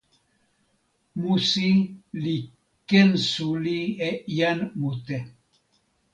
musi li ken suli e jan mute.